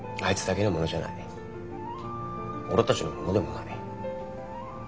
俺たちのものでもない。